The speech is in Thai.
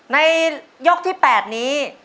ในยกที่แปดนี้